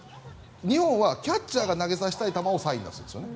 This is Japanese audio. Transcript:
日本はキャッチャーが投げさせたい球をサイン出すんですよね。